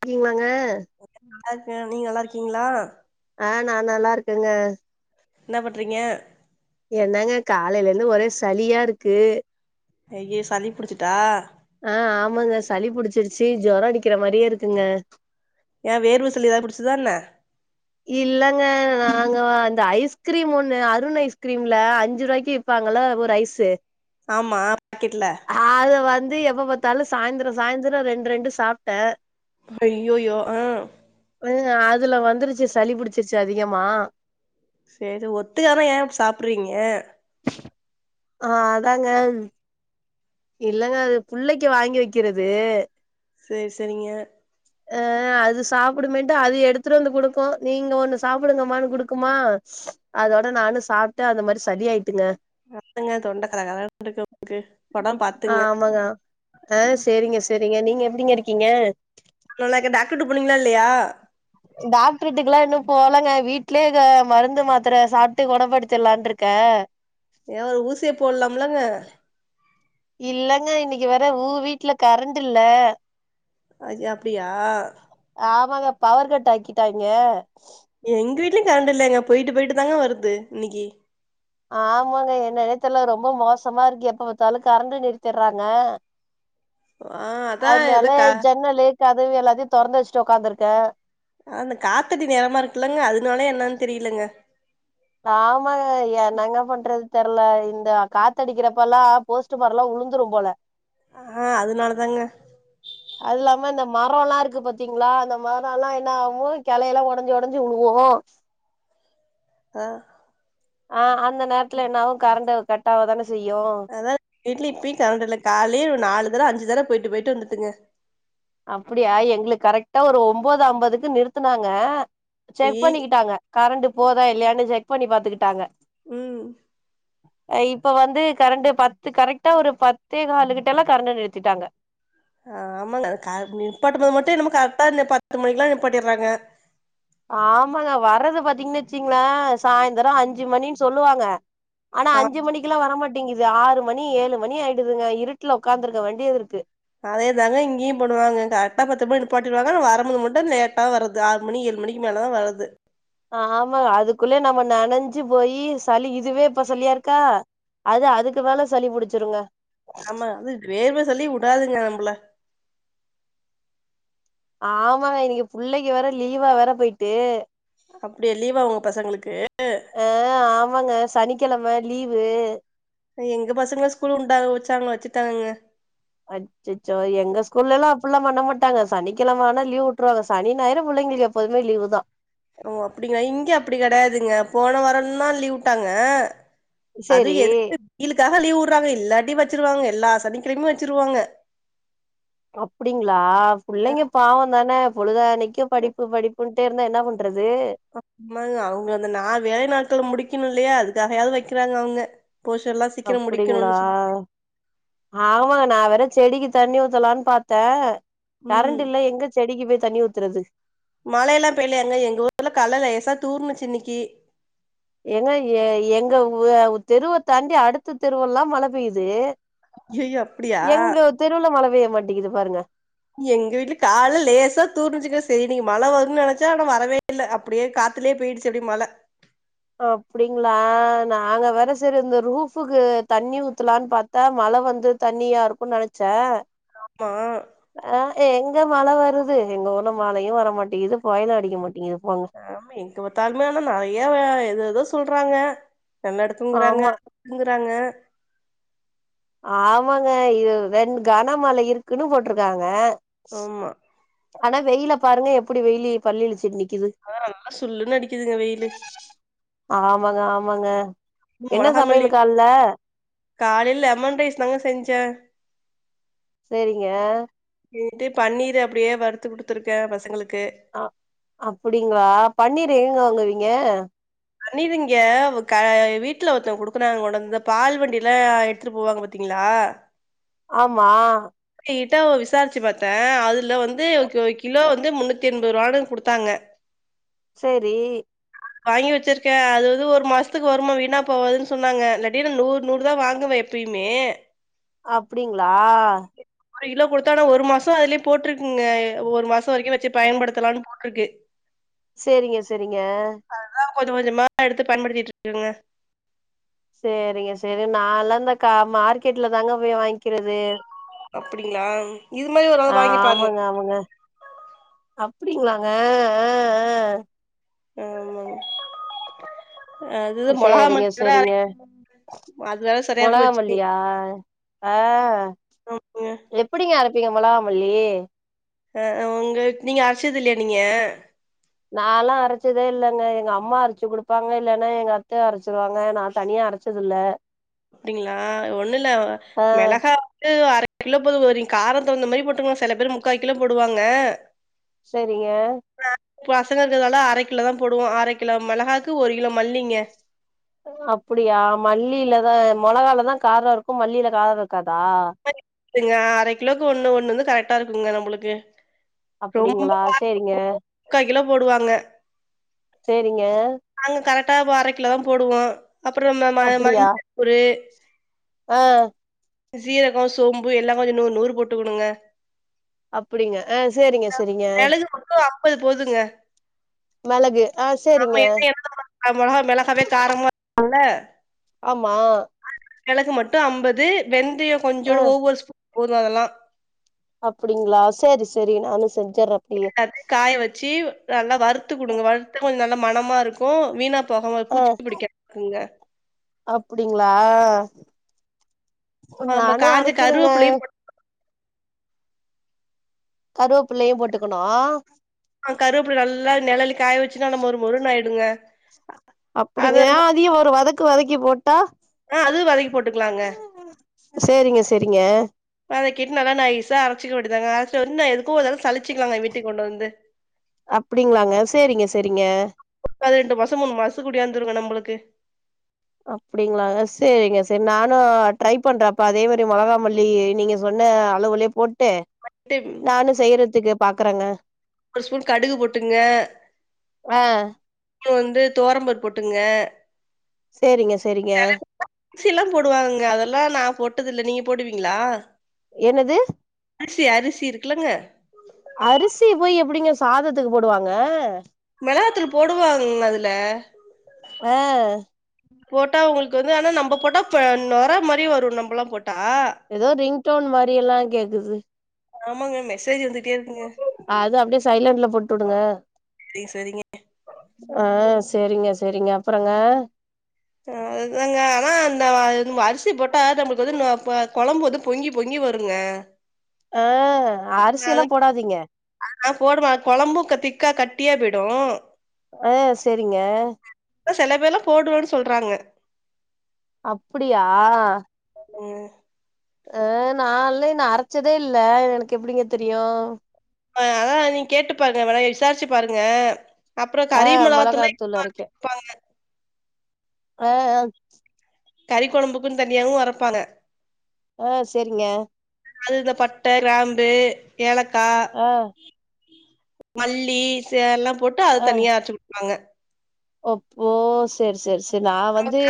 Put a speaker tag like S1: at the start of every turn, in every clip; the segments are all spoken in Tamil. S1: இருகீங்களாங்க
S2: நல்லா இருக்கே நீங்க நல்லா இருக்கீங்களா
S1: ஆ நா நல்லா இருக்கேங்க
S2: என்ன பண்றீங்க
S1: என்னாங்க காலையில இருந்து ஒரே சளியா இருக்கு
S2: ஐயே சளி புடிச்சிட்டா
S1: ஆ ஆமாங்க சளி புடிச்சிருச்சு ஜோரோ அடிக்கிற மாரியே இருக்குங்க
S2: ஏ வேர்வசலி எதாவது புடுச்சதான்ன
S1: இல்லங்க நாங்க அந்த ஐஸ்கிரீம் ஒண்ணு அருண் ஐஸ்கிரீம்ல அஞ்சு ருவாய்கி விப்பாங்கள ஒரு ஐஸு
S2: ஆமா பாக்கெட்ல
S1: அத வந்து எப்ப பாத்தாலு சாய்ந்தரோ சாய்ந்தரோ ரெண்டு ரெண்டு சாப்ட
S2: அய்யயோ ஆ
S1: அதுல வந்துருச்சு சளிபிடிச்சிருச்சு அதிகமா
S2: செரி ஒத்துகாதுனா ஏ இப்டி சாப்டுறீங்க
S1: ஆ அதாங்க இல்லங்க அது புள்ளைக்கி வாங்கி வைக்கிறது
S2: செரி செரிங்க
S1: அது சாப்புடுமேன்ட்டு அது எடுத்துட்டு வந்து குடுக்கு நீங்க ஒண்ணு சாப்புடுங்கமானு குடுக்குமா அதோட நானு சாப்ட அந்த மாரி சளி ஆயிட்டுங்க
S2: அதுங்க தொண்ட கரகரக்கு னு க்கு உடம் பாத்துங்க ம்
S1: செரிங்க நீங்க எப்டிங்க இருக்கீங்க
S2: நல்லாக்க டாக்டர்ட போனீங்களா இல்லையா
S1: டாக்ட்ருடுக்லா இன்னு போலங்க வீட்லேங்க மருந்து மாத்தர சாப்புட்டு கொணப்படுத்திட்லான்டு இருக்க
S2: ஏ ஒரு ஊசிய போட்லாம்லங்க
S1: இல்லங்க இன்னைக்கு வேற ஊ வீட்ல கரண்டு இல்ல
S2: அது அப்டியா
S1: ஆமாங்க பவர் கட் ஆக்கிட்டாங்க
S2: எங்க வீட்லயு கரண்ட் இல்லைங்க போயிட்டு போயிட்டு தாங்க வருது இன்னைக்கு
S1: ஆமாங்க எ நெனத்துல ரொம்ப மோசமா இருக்கு எப்ப பாத்தாலும் கரண்ட நிறுத்தடுறாங்க
S2: ஆ அதா
S1: அதனால
S2: எதோ கா
S1: ஜன்னலு கதவு எல்லாத்தையு தொறந்து வச்சுட்டு உக்காந்துருக்கே
S2: ஆ இந்த காத்தடி நேமா இருக்குலங்க அதனால என்னன்னு தெரியலங்க
S1: ஆமாங்க என்னங்க பண்றது தெர்ல இந்த காத்தடிக்கிறப்பல்லா போஸ்ட் மரல்லா உழுந்துரும் போல
S2: ஆ அதனால தாங்க
S1: அது இல்லாம இந்த மரோ எல்லா இருக்கு பாத்தீங்களா அந்த மரோ எல்லா என்ன ஆகு கிளை எல்லா உடஞ்சு உடஞ்சு உழுவோ
S2: ஆ
S1: ஆ அந்த நேரத்துல என்னாவு கரண்டு கட்டாவ தான செய்யு
S2: அதா வீட்ல இப்பயு கரன்ட்இல்ல காலையே ஒரு நாலு தடவை அஞ்சு தடவை போயிட்டு போயிட்டு வந்துட்டுங்க
S1: அப்டியா எங்களுக்கு கரெக்ட்டா ஒரு ஓம்போது அம்பதுக்கு நிறுத்துனாங்க
S2: டி
S1: செக் பண்ணிக்கிட்டாங்க கரண்ட் போதா இல்லையன்னு செக் பண்ணி பாத்துக்கிட்டாங்க
S2: ம்
S1: இப்ப வந்து கரண்டு பத்து கரெக்டா ஒரு பத்தே கால் கிட்ட எல்லா கரண்டா நிறுத்திட்டாங்க
S2: ஆ ஆமாங்க கர நிப்பாட்டுபோது மட்டு என்னமோ கரெக்டா நிப்பாட் பத்து மணிக்கு எல்லா நிப்பாட்டிறாங்க
S1: ஆமாங்க வர்றது பாத்தீங்கன்னு வச்சீங்களே சாய்ந்திரோ அஞ்சு மணின்னு சொல்லுவாங்க ஆனா
S2: ஆ
S1: அஞ்சு மணிக் எல்லா வரமாட்டேங்குது ஆறு மணி ஏழு மணி ஆயிடுதுங்க இருட்ல உக்காந்துருக்க வேண்டியது இருக்கு
S2: அதேதாங்க இங்கேயு பண்ணுவாங்க கரெக்டா பத்து மணி நிப்பாட்டிடுவாங்க வரும் போது மட்டு லேட்டா வருது அது ஆறு மணி ஏழு மணிக்கு மேல தா வருது
S1: ஆமா அதுக்குள்ள நம்ம நனைஞ்சு போயி சளி இதுவே இப்ப சளியா இருக்கா அது அதுக்கு மேல சளி புடிச்சுருங்க
S2: ஆமா அது வேர்வ சளி விடாதுங்க நம்ள
S1: ஆமா இன்னைக்கு புள்ளைக்கு வேற லீவா வேற போயிட்டு
S2: அப்டியா லீவா உங்க பசங்களுக்கு
S1: ஆ ஆமாங்க சனிக்கெழம லீவு
S2: எங்க பசங்கள ஸ்கூல் உண்டாக வச்சாங்க வச்சுட்டானுங்க
S1: அச்சச்சோ எங்க ஸ்கூல்ல எல்லா அப்டில்லா பண்ணமாட்டாங்க சனிக்கிழமைான லீவ் விட்ருவாங்க சனி ஞாயிரும் பிள்ளைங்களுக்கு எப் எப்போதுமே லீவு தா
S2: ஓ அப்டிங்களா இங்க அப்டி கெடையாதுங்க போன வாரம்லாம் லீவ் விட்டாங்க அது
S1: சேரி
S2: எதுக்கு வெயிலுக்காக லீவ் விடுறாங்க இல்லாட்டி வச்சிருவாங்க எல்லா சனிக்கெழமையு வச்சிருவாங்க
S1: அப்டிங்களா பிள்ளைங்க பாவம் தான பொழுதானைக்கு படிப்பு படிப்பு ட்டேஇருந்தா என்ன பண்றது
S2: ஆமாங்க அவங்க அந்த நா வேலை நாட்கள முடிக்கணு இல்லையா அதுக்காகையாவது வக்கிறாங்க அவுங்க போஷன் எல்லா
S1: அப்டிங்ளா ஆமாங்க நா வேற செடிக்கு தண்ணி ஊத்தலான்னு பாத்தே
S2: ம்
S1: கரண்ட் இல்ல எங்க செடிக்கு போய் தண்ணி ஊத்துறது
S2: மழ எல்லா பெய்லயாங்க எங்க ஊர்ல கலைல லேசா தூர்னுச்சு இன்னைக்கு
S1: ஏங்க எங்க தெருவ தாண்டி அடுத்த தெருவெல்லா மழை பெயுது
S2: அய்யயோ அப்டியா
S1: தெருவுல மழ பேய மாட்டிக்குது பாருங்க
S2: எங்க வீட்ல காலைல லேசா தூர்ச்சுங்க சேரி இன்னைக்கு மழை வரும்னு நெனைச்சா ஆனா வரவே இல்லை அப்டியே காத்துலயே போயிடுச்சு அப்டி மழை
S1: அப்டிங்களா நாங்க வேற செரி இந்த ரூஃபுக்கு தண்ணி ஊத்துலாம்னு பாத் தா மழை வந்து தண்ணியா இருக்கும்னு நெனைச்சே
S2: ஆமா
S1: அ எங்க மழை வருது எங்க போண மழையு வரமாட்டேங்குது புயலும் அடிக்க மாட்டேங்குது போங்க
S2: ஆமா எங்க பாத்தாலுமே ஆனா நிறைய வே எது எதோ சொல்றாங்க நின்னுட்டு தூங்குறாங்க
S1: ஆமா
S2: ங்கறாங்க
S1: ஆமாங்க இர் ரெண்ட் கனமழ இருக்குன்னு போட்ருக்காங்க
S2: ஆமா
S1: ஆனா வெயில பாருங்க எப்டி வெய்லி பல்லிளிச்சிட் நிக்குது
S2: ஆ நல்லா சுல்லுன் அடிக்குதுங்க வெயிலு
S1: ஆமாங்க ஆமாங்க
S2: ம்
S1: என்ன
S2: மொளகா மல்லி
S1: சமையல் கால்ல
S2: காலைல் லெமன் ரைஸ் தாங்க செஞ்சே
S1: சேரிங்க
S2: ணீட்டு பன்னீர் அப்டியே வறுத்து குடுத்துருக்கே பசங்களுக்கு
S1: ஆ அப்படிங்ளா பன்னீர் எங்கங்க வாங்குவீங்க
S2: பன்னீர் இங்க க வீட்ல ஒருத்தவ்ங்க குடுக்கனாங் கொண்டந்து பால் வண்டில்லா எட்த்துட்டு போவாங் பாத்தீங்ளா
S1: ஆமா
S2: அவுங்ககிட்ட ஒ விசார்ச்சு பாத்தே அதுல வந்து கோ கிலோ வந்து முன்னூத்தி எண்பர்ருவான்னு குடுத்தாங்க
S1: சேரி
S2: ஆஹ வாங்கி வெச்சிருக்கே அது வந்து ஒரு மாசத்துக் வருமா வீணா போவாதுன் சொன்னாங்க இல்லாட்டி நா நூர் நூறுதா வாங்குவே எ ப்பயுமே
S1: அப்டிங்ளா
S2: ஒரு கிலோ குடுத்தா ஆனா ஒரு மாசோ அதுலே போட்ருக்குங்க எ ஒரு மாசோ வரைக்கு வெச்சு
S1: அ
S2: பயன்படுத்தலானு போட்ருக்கு
S1: சேரிங்க சேரிங்க
S2: அது தா கொஞ்ச கொஞ்சமா எடுத்து பயன்படுத்திட்ருக்கங்க
S1: சேரிங்க சேரி நால்லா இந்த க மார்க்கெட்ல தாங்க போய் வாங்க்கிறது
S2: அப்டிங்ளா இது மாரி ஒரு நாள் வாங்கி பாருங்க
S1: ஆமாங்க அப்டிங்ளாங்க ஏ ஏ
S2: ஆமாங்
S1: சேரிங்க சேரிங்க
S2: அது வேற சரியா
S1: மொளகா
S2: போச்சு
S1: மல்லியா ஆ
S2: ஆமாங்க.
S1: எப் டிங்க அரப்பீங்க மொளகா மல்லி
S2: அ அ உங்க நீங்க அரச்சதில்லயா நீங்க
S1: நால்லா அரச்சதே இல்லங்க எங்க அம்மா அரச்சு குடுப்பாங்க இல்லனா எங்க அத்த அரச்சிருவாங்க நா தனியா அரச் சதில்ல
S2: அப்டிங்ளா ஒன்னுல்ல
S1: ஆ
S2: மெளஹா வந்து அர கிலோ போது [unintelligible] காரத் தகுந்த மாரி போட்டுக்கலா செல பேரு முக்கா கிலோ போடுவாங்க
S1: செரிங்க
S2: பசங்க இருக்கறதால அரக் கிலோ தா போடுவோ அரக் கிலோ மெளஹாக்கு ஒரு கிலோ மல்லிங்க
S1: அப்படியா மல்லிலதா மொளகால தா காரோ இருக்கு மல்லில கார்ருக்காதா
S2: [inaudible] ங்க அரக் கிலோக்கு ஒன்னு ஒன்னு வந்து கரக்ட்டா இருக்குங்க நம்ளுக்கு ரொம்ப
S1: அப்டிங்களா சேரிங்க
S2: [unintelligible] முக்கா கிலோ போடுவாங்க
S1: சேரிங்க
S2: நாங்க கரக்ட்டா ப அரக் கிலோ தா போடுவோ அப்றோ நம்ம ம
S1: அப்டியா
S2: மஞ்ச தூளு
S1: ஆ
S2: சீரகோ, சோம்பு எல்லா கொஞ்சோ நூர் நூறு போட்டுக்கோணுங்க
S1: அப்படிங்க ஆ சேரிங்க சேரிங்க
S2: மெளகு மட்டு அம்பது போதுங்க
S1: மெளகு ஆ சேரிங்க
S2: [inaudible] அ மொளகா மிளஹாவே காரமா [inaudible] குல்ல
S1: ஆமா
S2: [inaudible] மெளகு மட்டு அம்பது வெந்தயோ
S1: ஆ
S2: கொஞ்சோண்டு ஒவ்வொரு ஸ்பூ [inaudible] போது அதெல்லா
S1: அப்படிங்ளா சேரி சேரி நானு செஞ்சர்றே அப்டியே
S2: [unintelligible] காய வச்சு நல்லா வறுத்து குடுங்க வறுத்து கொஞ்சு நல்ல மனமா இருக்கு வீணா போகாம பூச்சி புடிகாதுங்க
S1: அப்படிங்களா
S2: நம்ம
S1: நானு
S2: காஞ்ச
S1: அரைக்கிறங்க
S2: கருவேப்பிலையு போட்டு
S1: கருவப்புள்ளையு போட்டுகணு
S2: ஆ கருவேப்பில நல்ல நிழல்ல காய வச்சுன்னா நம்ம மொறுமொறுநு ஆயிடுங்க அத
S1: அப்படிங்க அதையு ஒரு வதக்கு வதக்கி போட்டா
S2: ஆ அதுவு வதக்கி போட்டுக்கலாங்க
S1: சேரிங்க சேரிங்க
S2: வதக்கிட்டு நல்லா நைஸா அரைச்சிக்க வேண்டியதாங்க அரைச்சுட்டு வந்து நா எதுக்கு ஒரு தடவ சலிச்சு
S1: அப்படிங்களாங்க செரிங்க செரிங்க
S2: அது ரெண்டு மாசோ மூணு மாசத்துக்கு கூடிவந்துருங்க நம்முளுக்கு
S1: அப்படிங்களாங்க செரிங்க செரி நானு ட்ரை பண்றே அப்ப அதே மாரி மோளகா மல்லி நீங்க சொன்ன அளவுலயே போட்டு நானு செய்யிறதுக்கு பாக்குறங்க
S2: ஒரு ஸ்பூன் கடுகு போட்டுங்க
S1: ஆ
S2: வந்து தோவரம் பருப்பு போட்டுக்குங்க
S1: செரிங்க செரிங்க
S2: அரிசிலா போடுவாங்க அதெல்லா நா போட்டதில்ல நீங்க போடுவீங்களா
S1: என்னது
S2: அரிசி அரிசி இருக்குலங்க
S1: அரிசி போயி எப்பிடிங்க சாதத்துக்கு போடுவாங்க
S2: மெளகாத்தூள் போடுவாங்கங்க அதுல
S1: ஆ
S2: போட்டா உங்களுக்கு வந்து ஆனா நம்ப போட்டா பு நோர மாரி வரு நம்ம எல்லா போட்டா
S1: ஏதோ ரிங் டோன் மாரி எல்லா கேக்குது
S2: ஆமாங்க மெசேஜ் வந்துட்டே இருக்குங்க
S1: அது அப்படியே சைலண்டுல போட்டு விடுங்க
S2: சரி சரிங்க
S1: ஆ செரிங்க செரிங்க அப்புறங்க
S2: ஆ அதாங்க ஆனா அந்த அரிசி போட்டா நம்மளுக்கு நொ ப வந்து கொழம்பு பொங்கி பொங்கி வருங்க
S1: ஆ அரிசி எல்லா போடாதீங்க
S2: ஆ நா போடுவே கொழம்பு திக்கா கட்டியா போயிடு
S1: ஆ செரிங்க
S2: செல பேர்லா போடுவன்னு சொல்றாங்க
S1: அப்படியா
S2: ம்
S1: ஆ நால்ல இன்னு அரச்சதே இல்ல எனக்கு எப்படிங்க தெரியு
S2: அதா நீங்க கேட்டு பாருங்க வேணா விசாரிச்சு பாருங்க அப்புறோ
S1: ஆ
S2: கறி மெளகாத்தூள்ளு
S1: மொளகாத்தூள்
S2: எல்லா
S1: அரைக்க
S2: [unintelligible]
S1: ஆ ஆ
S2: கறி கொழம்புக்குன்னு தனியாவு அரைப்பாங்க
S1: ஆ செரிங்க
S2: அது இந்த பட்டே கிராம்பு ஏலக்கா
S1: ஆ
S2: மல்லி சே எல்லா போட்டு அத தனியா அரச்சு குடுப்பாங்க
S1: ஒ ஓ செரி செரி செரி நா வந்து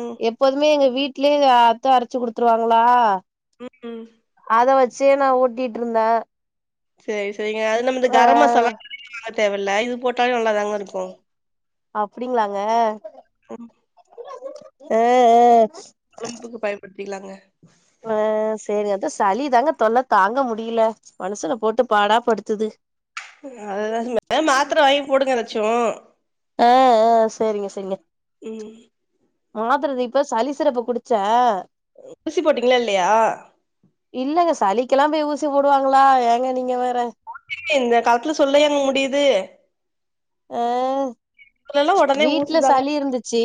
S2: ம்
S1: எப் எப்போதுமே எங்க வீட்லயே எங்க அத்த அரச்சு குடுத்துருவாங்களா
S2: ம்
S1: அத வச்சே நா ஓட்டிட்டுருந்த
S2: செரி செரிங்க அது நம்ம கர மசாலா வாங்க தேவல இது போட்ட
S1: அப்படிங்களாங்க
S2: ம்
S1: ஆ ஆ
S2: கொழப்புக்கு பயன்படுத்திக்கலாங்க
S1: ஆ செரிங்க அதா சளிதாங்க தொல்ல தாங்க முடியில மனுசன போட்டு பாடா படுத்துது
S2: அதுதாங்க மாத்தர வாங்கி போடுங்க எதாச்சு
S1: ஆ ஆ செரிங்க செரிங்க
S2: ம்
S1: மாத்தர இப்ப சளி சிறப்பு குடிச்சே
S2: ஊசி போட்டீங்ளா இல்லையா
S1: இல்லங்க சளிக்கெல்லாம் போய் ஊசி போடுவாங்களா ஏங்க நீங்க வேற
S2: இந்த காலத்துல சொல்லயாங்க முடியுது
S1: ஆ
S2: இதுலெல்லா ஒடனே ஊசி தாங்க
S1: சீ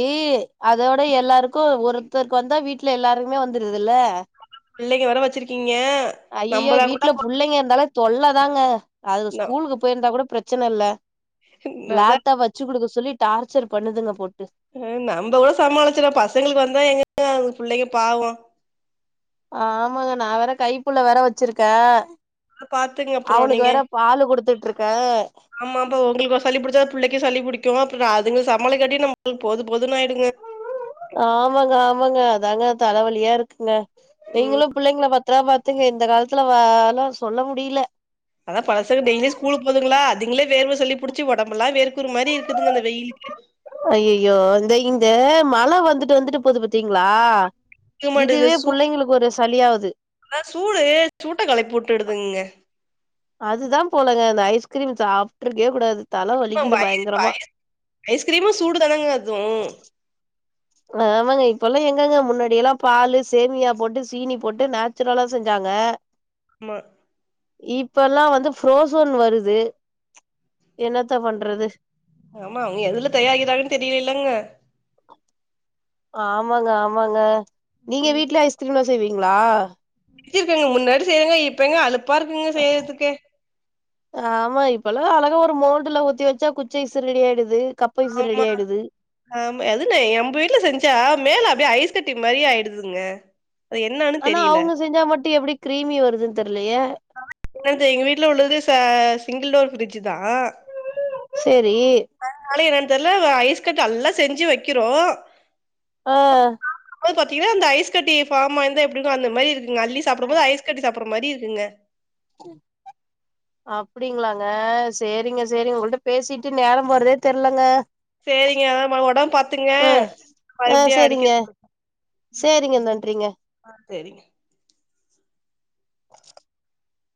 S1: அதோட எல்லாருக்கூ ஒருத்தர்க்கு வந்தா வீட்ல எல்லாருக்குமே வந்துடுதுல்ல
S2: பிள்ளைங்க வேர வச்சிருக்கீங்க
S1: ஐய்யயோ
S2: நம்பளா கூட
S1: வீட்ல புள்ளைங்க இருந்தாலே தொல்ல தாங்க அது ஸ்கூலுக்கு போயிருந்தா கூட பிரச்சன இல்ல
S2: அதா
S1: லேப்டாப் வச்சு குடுக்க சொல்லி டார்ச்சர் பண்ணுதுங்க போட்டு
S2: அ நம்ப கூட சமாளிச்சறோ பசங்களுக்கு வந்தா எங்கங்க புள்ளைங்க பாவொ
S1: ஆமாங்க நா வேற கைப்புள்ள வேற வச்சிருக்கே
S2: பாத்துங்க அப்றோ
S1: அவுனுக்கு
S2: நீங்க
S1: வேற பாலு குடுத்துட்ருக்கே
S2: ஆமா அப்ப உங்களுக்கு சளி புடிச்சா புள்ளைக்கு சளி புடிக்கூ அப்புறொ அதுங்க சமாளிக்காட்டி நம்மளுக்கு போதும் போதுன்னு ஆயிடுங்க
S1: ஆமாங்க ஆமாங்க அதாங்க தலவலியா இருக்குங்க
S2: ம்
S1: நீங்களு புள்ளைங்கள பத் பத்ரமா பாத்துக்கங்க இந்த காலத்துல வா ல்லா சொல்ல முடியில
S2: அதா பசங்க டெய்லி ஸ்கூலுக்கு போதுங்ளா அதுங்ளே வேர்வ சளி புடிச்சி ஒடம்பெல்லா வேர்க்குரு மாரி இருக்குதுங்க இந்த வெயிலுக்கு
S1: அய்யய்யோ இந்த இங்க மழ வந்துட்டு வந்துட்டு போது பத் திங்ளா
S2: நிக்க
S1: இதுவே புள்ளைங்களுக்கு ஒரு சளியாவுது
S2: அதா சூடு சூட்ட கெளப்பி வுட்டுடுதுங்க
S1: அதுதா போலங்க அந்த ஐஸ்கிரீம் சாப்ட்ருக்கயே கூடாது தல வலிக்குது
S2: ஆமா
S1: பயங்கரமா
S2: [unintelligible] ஐஸ்கிரீமு சூடு தானங்க அது
S1: ஆமாங்க இப்பல்லா எங்கங்க முன்னாடியெல்லா பாலு சேமியா போட்டு சீனி போட்டு நேச்சுரலா செஞ்சாங்க
S2: அமா
S1: இப்பல்லா வந்து ஃப்ரோசோன் வருது என்னத்த பண்றது
S2: ஆமா அவுங்க எதுல தயாரிக்கிறாங்கன்னு தெரியிலைலங்க
S1: ஆமாங்க ஆமாங்க நீங்க வீட்லயே ஐஸ்கிரீம்லா செய்வீங்ளா
S2: செஞ்சிருக்கேங்க முன்னாடி செய்வங்க இப்ப எங்க அழுப்பா இருக்குங்க செய்யிறதுக்கே
S1: ஆமா இப்பல்லா அழகா ஒரு மோல்டுல ஊத்தி வச்சா குச்சி ஐஸு ரெடி ஆயிடுது கப்பைஸு
S2: ஆமா
S1: ரெடி ஆயிடுது
S2: ஆமா எதுமே எம்ப வீட்ல செஞ்சா மேல அப்டியே ஐஸ் கட்டி மாரியே ஆயிடுதுங்க அது என்னான்னு
S1: ஆனா
S2: தெரியல
S1: அவுங்க செஞ்சா மட்டு எப்டி கீரீமி வருதுன்னு தெர்லையே
S2: னக்கே எங்க வீட்ல உள்ளது ச சிங்கிள் டோர் ஃப்ரிட்ஜுதான்
S1: செரி
S2: அதனால என்னன் தெர்ல ஐஸ் கட்டி அல்லா செஞ்சு வக்கிறோ
S1: ஆ
S2: சாப்டம்போது பாத்தீங்கன்னா அந்த ஐஸ் கட்டி ஃபார்ம் ஆயிருந்தா எப்டி இருக்கு அந்த மாரி இருக்குங்க அள்ளி சாப்டும்போது ஐஸ் கட்டி சாப்பற மாரி இருக்குங்க
S1: ம் அப்டிங்களாங்க சேரிங்க சேரிங்க உங்கள்ட்ட பேசிட்டு நேரம் போனதே தெர்லங்க
S2: சேரிங்க அதா ஒடம்ப பாத்துக்ங்க
S1: ஆ
S2: அ
S1: ஆ
S2: எப்டியே அடிக்கிற
S1: சேரிங்க சேரிங்க நன்றிங்க
S2: ஆ சேரிங்க